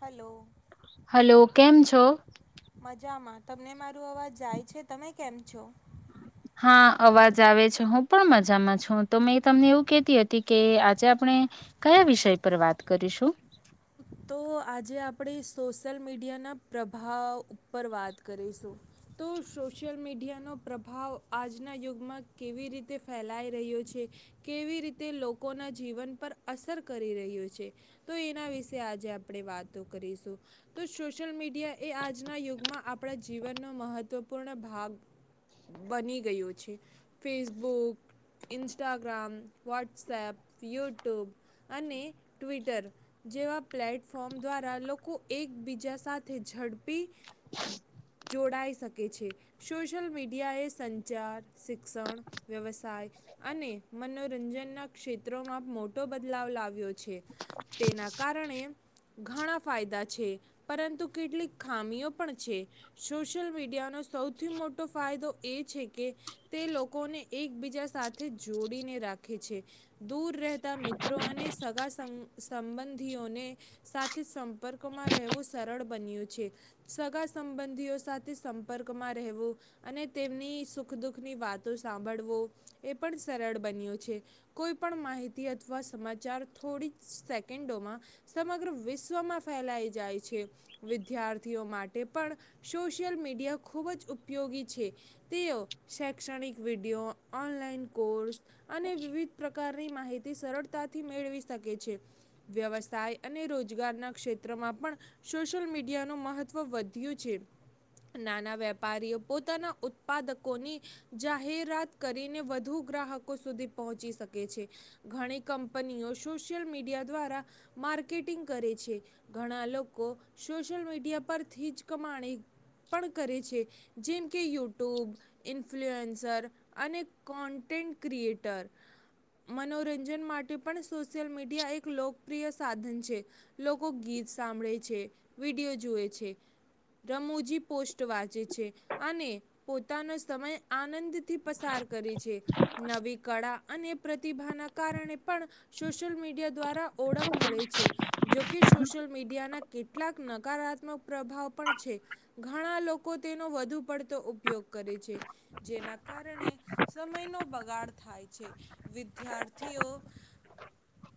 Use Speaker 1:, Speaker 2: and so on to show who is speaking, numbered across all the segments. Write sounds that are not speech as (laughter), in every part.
Speaker 1: Hello.
Speaker 2: Hello કેમ છો?
Speaker 1: મજામાં તમને મારું અવાજ જાય છે તમે કેમ છો?
Speaker 2: હા અવાજ આવે છે હું પણ મજામાં છું તો મેં તમને એવું કેતી હતી કે આજે આપણે કયા વિષય પર વાત કરીશું
Speaker 1: તો આજે આપણે સોશિયલ મીડિયાના પ્રભાવ ઉપર વાત કરીશું તો સોશિયલ મીડિયાનો પ્રભાવ આજના યુગમાં કેવી રીતે ફેલાઈ રહ્યો છે કેવી રીતે લોકોના જીવન પર અસર કરી રહ્યો છે તો એના વિશે આજે આપણે વાતો કરીશું તો સોશિયલ મીડિયા એ આજના યુગમાં આપણા જીવનનો મહત્ત્વપૂર્ણ ભાગ બની ગયો છે ફેસબુક ઇન્સ્ટાગ્રામ વોટ્સએપ યુટ્યુબ અને ટ્વિટર જેવા પ્લેટફોર્મ દ્વારા લોકો એકબીજા સાથે ઝડપી જોડાઈ શકે છે સોશિયલ મીડિયાએ સંચાર શિક્ષણ વ્યવસાય અને મનોરંજનના ક્ષેત્રોમાં મોટો બદલાવ લાવ્યો છે તેના કારણે ઘણા ફાયદા છે પરંતુ કેટલીક ખામીઓ પણ છે સોશિયલ મીડિયાનો સૌથી મોટો ફાયદો એ છે કે તે લોકોને એકબીજા સાથે જોડીને રાખે છે દૂર રહેતા મિત્રો અને સગા સંબંધીઓને સાથે સંપર્કમાં રહેવું સરળ બન્યું છે સગા સંબંધીઓ સાથે સંપર્કમાં રહેવું અને તેમની સુખ દુખની વાતો સાંભળવું એ પણ સરળ બન્યું છે કોઈ પણ માહિતી અથવા સમાચાર થોડી સેકન્ડોમાં સમગ્ર વિશ્વમાં ફેલાઈ જાય છે વિદ્યાર્થીઓ માટે પણ સોશિયલ મીડિયા ખૂબ જ ઉપયોગી છે તેઓ શૈક્ષણિક વિડીિયો ઓનલાઈન કોર્સ અને વિવિધ પ્રકાર ની માહિતી સરળતાથી મેળવી શકે છે વ્યવસાય ના ક્ષેત્રમાં પણ સોશિયલ મીડિયા ન મહત્વ વધ્યું છે નાના વેપારીઓ પોતાના ઉત્પાદકોની જાહેરાત કરીને વધુ ગ્રાહકો સુધી પહોંચી શકે છે ઘણી કંપનીઓ સોશિયલ મીડિયા દ્વારા માર્કેટિંગ કરે છે ઘણા લોકો સોશિયલ મીડિયા પરથી જ કમાણી પણ કરે છે જેમ કે યુટ્યુબ ઇન્ફ્લુએન્સર અને કોન્ટેન્ટ ક્રિએટર મનોરંજન માટે પણ સોશયલ મીડિયા એક લોકપ્રિય સાધન છે લોકો ગીત સાંભળે છે વિડીયો જોુએ છે રમૂજી પોસ્ટ વાંચે છે અને પોતાનો સમય આનંદ થી પસાર કરી છે નવી કળા અને પ્રતિભાના કારણે પણ સોશિયલ મીડિયા દ્વારા ઓળખ મળે છે. જોકે સોશિયલ મીડિયાના કેટલાક નકારાત્મક પ્રભાવ પણ છે, ઘણા લોકો તેનો વધુ પડતો ઉપયોગ કરે છે જેના કારણે સમયનો બગાડ થાય છે, વિદ્યાર્થીઓ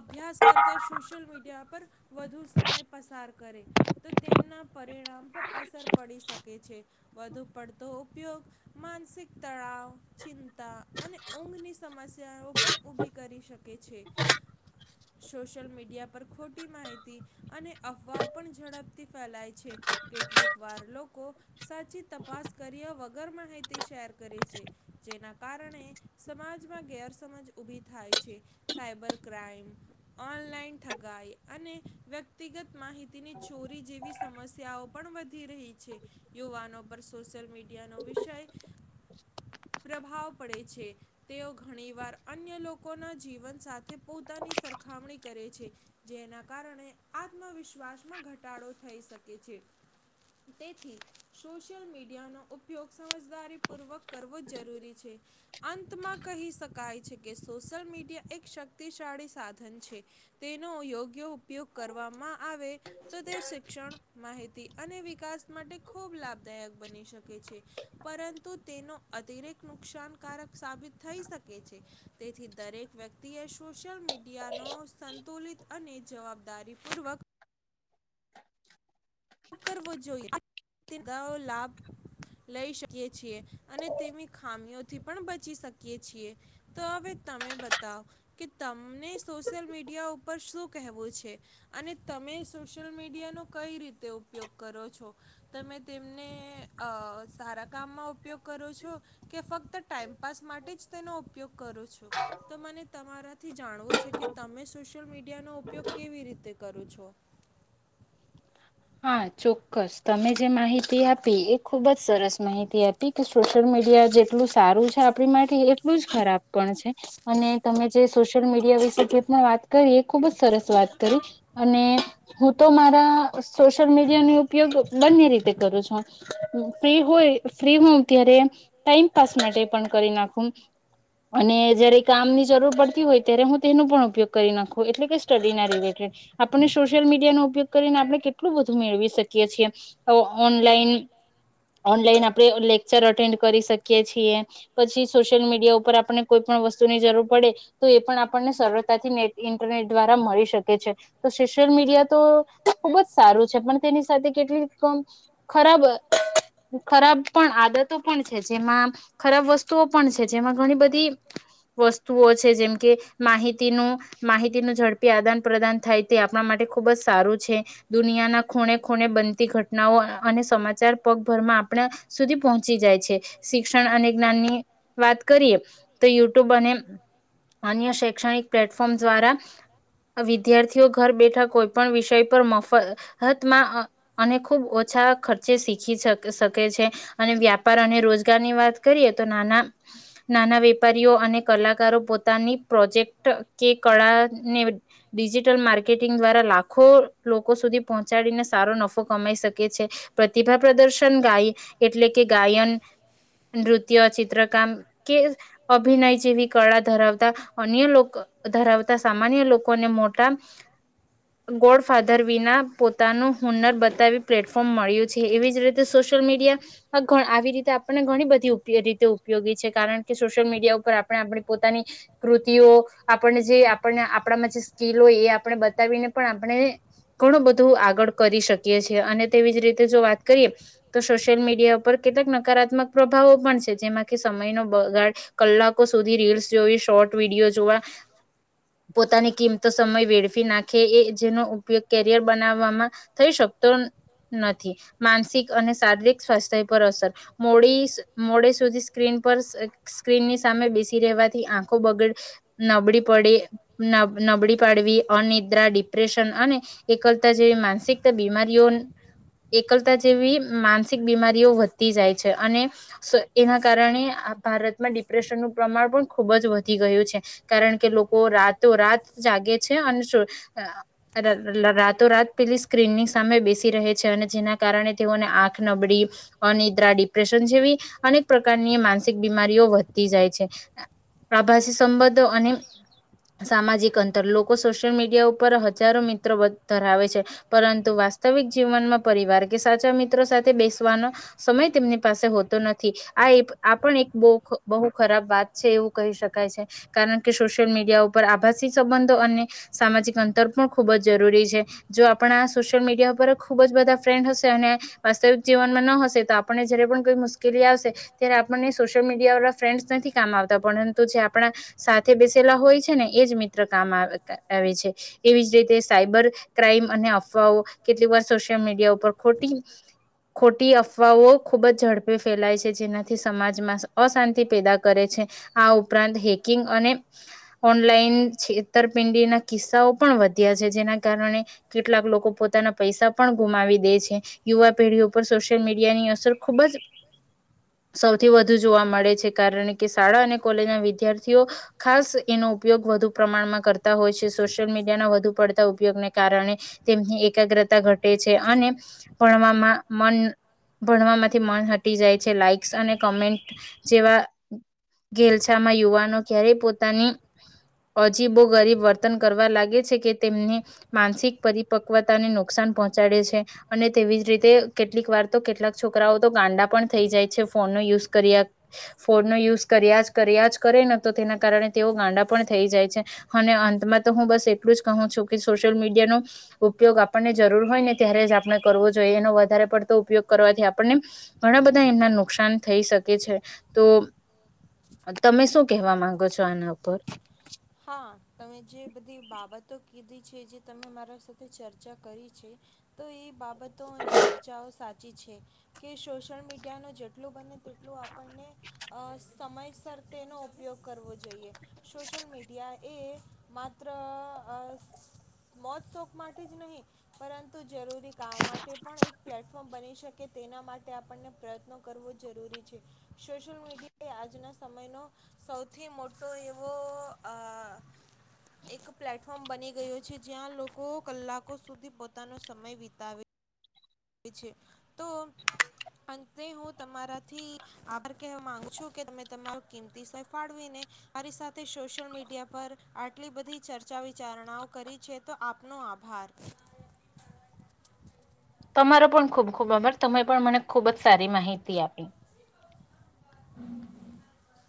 Speaker 1: અભ્યાસ કરતાં સોશિયલ મીડિયા પર વધુ સમય પસાર કરે તો તેમના પરિણામ પર અસર પડી શકે છે, વધુ પડતો ઉપયોગ માનસિક તણાવ, ચિંતા અને ઊંઘની સમસ્યાઓ પણ ઉભી કરી શકે છે, સોશિયલ મીડિયા પર ખોટ ટી માહિતી અને અફવાઓ પણ ઝડપથી ફેલાય છે કેટલીક વાર લોકો સાચી તપાસ કર્યા વગર માહિતી શેર કરે છે, જેના કારણે સમાજમાં ગેરસમજ ઉભી થાય છે, સાયબર ક્રાઈમ ઓનલાઈન ઠગાઈ અને વ્યક્તિગત માહિતીની ચોરી જેવી સમસ્યાઓ પણ વધી રહી છે યુવાનો પર સોશિયલ મી ડિયાનો વિષય પ્રભાવ પડે છે તેઓ ઘણી વાર અન્ય લોકોના જીવન સાથે પોતાની સરખામણી કરે છે. જેના કારણે આત્મવિશ્વાસમાં ઘટાડો થઈ શકે છે, તેથી સોશિયલ મીડિયાનો ઉપયોગ સમજદારી પૂર્વક કરવો જરૂરી છે, અંતમાં કહી શકાય છે કે સોશિયલ મીડિયા એક શક્તિશાળી સાધન છે તે નો યોગ્ય ઉપ યોગ કરવામાં આવે તો તે શિક્ષણ માહિતી તી અને વિકાસ માટે ખૂબ લાભદાયક બની શકે છે પરંતુ તેનો અતિરેત નુકસાનકારક સાબિત થઈ શકે છે તેથી દરેક વ્યક્તિએ સોશિયલ મીડિયાનો સંતુલિત અને જવાબદારી પૂર્વક કરવો જોઈએ (unintelligible) લાભ લઈ શકીએ છીએ અને તેની ખામીઓથી પણ બચી શકીએ છીએ તો હવે તમે બતાવ કે તમને સોશિયલ મીડિયા ઉપર શું કહેવું છે અને તમે સોશિયલ મીડિયા નો કઈ રી તે ઉપયોગ કરો છો તમે તેમને અહ સારા કામમાં ઉપયોગ કરો છો કે ફક્ત ટાઈમપાસ માટે જ તેનો ઉપયોગ કરો છો તો મને તમારાથી જાણવું છે કે તમે સોશિયલ મીડિયાનો ઉપયોગ કેવી રીતે કરો છો?
Speaker 2: હા ચોક્કસ તમે જે માહિતી આપી એ ખુબ જ સરસ માહિતી આપી કે સોશિયલ મીડિયા જેટલું સારું છે આપણી માટે એટલું જ ખરાબ પણ છે અને તમે જે સોશિયલ મીડિયા વિશે જે પણ વાત કરી એ ખૂબ જ સરસ વાત કરી અને હું તો મારા સોશિયલ મીડિયાની ઉપયોગ બંને રીતે કરું છું ફ્રી હોય ફ્રી હોઉ ત્યારે ટાઈમપાસ માટે પણ કરી નાખું અને જયારે કામની જરૂર પડતી હોય ત્યારે હું તેનો પણ ઉપયોગ કરી નાખું એટલે કે સ્ટડી ના રિલેટેડ આપને સોશિયલ મીડિયાનો ઉપયોગ કરીને આપને કેટલું બધું મેળવી શકીએ છીએ ઓ ઓનલાઈન ઓનલાઈન આપણે લેકચર અટેન્ડ કરી શકીએ છીએ પછી સોશિયલ મીડિયા ઉપર આપને કોઈ પણ વસ્તુની જરૂર પડે તો એ પણ આપણને સરળતાથી નેટ ઇન્ટરનેટ દ્વારા મળી શકે છે તો સોશિયલ મીડિયા તો ખૂબ જ સારું છે પણ તેની સાથે કેટલીક ખરાબ ખરાબ પણ આદતો પણ છે જેમાં ખરાબ વસ્તુઓ પણ છે જેમાં ઘણી બધી વસ્તુઓ છે જેમ કે માહિતીનું માહિતીનું ઝડપી આદાન પ્રદાન થાય તે આપણા માટે ખૂબ જ સારું છે. દુનિયાના ખૂણે ખૂણે બનતી ઘટનાઓ અને સમાચાર પગભર માં આપણા સુધી પહોચી ચી જાય છે, શિક્ષણ અને જ્ઞાનની વાત કરીએ તો યુટ્યુબ અને અન્ય શૈક્ષણિક પ્લેટફોર્મ દ્વારા, વિદ્યાર્થી ઘર બેઠા કોઈ પણ વિષય પર મફત મફતમાં અને ખૂબ ઓછા ખર્ચે શીખી શ શકે છે અને વ્યાપાર અને રોજગારની વાત કરીએ તો નાના નાના વેપારીઓ અને કલાકારો પોતાની પ્રોજેક્ટ કે કળાને ડિજિટલ માર્કેટિંગ દ્વારા લાખો લોકો સુધી પહોંચાડીને સારો નફો કમાઈ શકે છે. પ્રતિભા પ્રદર્શન ગાય એટલે કે ગાયન, નૃત્ય, ચિત્રકામ કે અભિનય જેવી કળા ધરાવતા અન્ય લોકો ધરાવતા સામાન્ય લોકોને મોટા ગોડ ફાધર વિના પોતાનું હુનર બતાવી પ્લેટફોર્મ મળ્યું છે. એવી જ રીતે સોશિયલ મીડિયા આ ઘ આવી રીતે આપણને ઘણી બધી ઉપયોગી એ રીતે ઉપયોગી છે. કારણ કે સોશિયલ મીડિયા ઉપર આપણે આપણી પોતાની કૃતિઓ આપણને જે આપણ ને આપણામા જે સ્કિલ હોય એ આપણે બતાવીને પણ આપણે ઘણું બધું આગળ કરી શકીએ છીએ અને તેવી જ રીતે જો વાત કરીએ તો સોશિયલ મીડિયા પર કેટલાક નકારાત્મક પ્રભાવો પણ છે જેમાં કે સમયનો બગાડ કલાકો સુધી રીલ્સ જોવી શોર્ટ વિડીયો જોવા પોતાની કિંમતી સમય વેડફી નાખે એ જેનો કેરીયર બનાવવામાં થઈ શકતો નથી માનસિક અને શારીરિક સ્વાસ્થ્ય પર અસર. મોડી મોડે સુધી સ્ક્રીન પર સ્ક્રીનની સામે બેસી રહેવાથી આંખો બગડ નબળી પડે નબળી પાડવી અનિદ્રા ડિપ્રેશન અને એકલતા જેવી માનસિકત બીમારીઓ એકલતા જેવી માનસિક બીમારીઓ વધતી જાય છે અને એના કારણે ભારતમાં ડિપ્રેશનનું પ્રમાણ પણ ખૂબ જ વધી ગયું છે કારણ કે લોકો રાતો રાત જાગે છે અને સોશિયલ અ ર રાતોરાત પેલી સ્ક્રીનની સામે બેસી રહે છે અને જેના કારણે તેઓને આંખ નબળી, અનિદ્રા, ડિપ્રેશન જેવી અનેક પ્રકારની માનસિક બીમારીઓ વધતી જાય છે આભાસી સંબંધો અને સામાજિક અંતર લોકો સોશિયલ મીડિયા ઉપર હજારો મિત્ર મિત્રો ધરાવે છે પરંતુ વાસ્તવિક જીવનમાં પરિવાર કે સાચા મિત્રો સાથે બેસવાનો સમય તેમની પાસે હોતો નથી આ આ પણ એક બહુ ખરાબ વાત છે એવું કહી શકાય છે કારણ કે સોશિયલ મીડિયા ઉપર આભાસી સંબંધો અને સામાજિક અંતર પણ ખૂબ જ જરૂરી છે જો આપણા સોશિયલ મીડિયા પર ખુબ જ બધા ફ્રેન્ડ હશે અને વાસ્તવિક જીવનમાં ન હશે તો આપણને જારે પણ કોઈ મુશ્કેલી આવશે ત્યારે આપણને સોશિયલ મીડિયા વાળા ફ્રેન્ડ નથી કામ આવતા પરંતુ જે આપણા સાથે બેસેલા હોય છે ને એ જ મિત્ર કામ આવે છે એવી જ રીતે સાયબર ક્રાઈમ અને અફવાઓ કેટલી વાર સોશિયલ મીડિયા ઉપર ખોટી ખોટી ખોટી અફવાઓ ખૂબ જ ઝડપે ફેલાય છે જેનાથી થી સમાજમાં અશાંતિ પેદા કરે છે આ ઉપરાંત હે હેકિંગ અને ઓનલાઈન છેતરપિંડીના કિસ્સાઓ પણ વધ્યા છે. જેના કેટલાક લોકો પોતાના પૈસા પણ ગુમાવી દે છે યુવા પેઢીઓ પર સોશિયલ મીડિયાની અસર ખુબ જ સૌથી વધુ જોવા મળે છે કારણ કે શાળા અને કોલેજ ના વિદ્યાર્થીઓ ખાસ એનો ઉપયોગ વધુ પ્રમાણમાં કરતા હોય છે સોશિયલ મીડિયાના વધુ પડ તા ઉપયોગને કારણે તેમની એકાગ્રતા ઘટે છે, અને ભણવામાં મન ભણવામાંથી મન હટી જાય છે, લાઇક્સ અને કોમેન્ટ જેવા ઘેલછામાં યુવાનો ક્યારેય પોતાની અજીબો ગરીબ વર્તન કરવા લાગે છે, કે તેમને માનસિક પરિપક્વતાને નુકસાન પહોંચાડે છે, અને તેવી જ રીતે કેટલીક વાર તો કેટલાક છોકરાઓ તો ગાંડા પણ થઈ જાય છે, ફોનનો યુઝ કર્યા ફોનનો યુઝ કર્યા જ કર્યા જ કરે ને તચ તેના કારણે તેઓ ગાંડા પણ થઈ જાય છે. અને અંતમાં તો હું બસ એટલું જ કહું છું કે સોશિયલ મીડિયાનો ઉપયોગ આપણને જરૂર હોય ને ત્યારે જ આપણે કરવો જોઈએ, એનો વધારે પડતો ઉપયોગ કરવાથી આપણને ઘણા બધા એમના નુકસાન થઈ શકે છે. તો તમે શું કહેવા માંગો છો આના ઉપર?
Speaker 1: (unintelligible) છે એ જે તમે મારા સાથે ચર્ચા કરી છે તો એ બાબ બતો અને ચર્ચાઓ સા ચી છે, કે સોશિયલ મીડિયાનો જેટલું બને તેટલું આપણને અહ સમયસર તેનો ઉપયોગ કરવો જોઈએ. સોશિયલ મીડ ડીયા એ માત્ર અહ મોજ શોક માટે જ નહીં, પરંતુ જરૂરી કામ માટે પણ એક પ્લેટફો ફોર્મ બની શકે તેના માટે આપણને પ્રયત્નો કરવો જરૂરી છે. સોશિયલ મીડિયા એ આજના સમયનો સૌથી મોટો એવો અહ એક પ્લેટફોર્મ બની ગયું છે, જ્યાં લોકો કલાકો સુધી પોતાનો સમય વિતાવે છે. તો અંતે હું તમારાથી આભાર કહેવા માંગ છું કે તમે તમાર કિંમતી સમય ફાળવીને મારી સાથે સોશિયલ મીડિયા પર આટલી બધી ચર્ચા વિચારણાઓ કરી છે, તો આપનો આભાર.
Speaker 2: તમારો પણ ખૂબ-ખૂબ આભાર. તમે પણ મને ખૂબ જ સારી માહિતી આપી.
Speaker 1: (inaudible)